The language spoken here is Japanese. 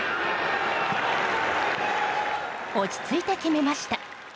落ち着いて決めました。